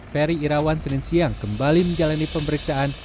ferry irawan senin siang kembali menjalani pemeriksaan